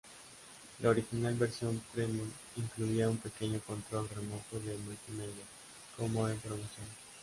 La original versión Premium incluía un pequeño control remoto de multimedia como en promoción.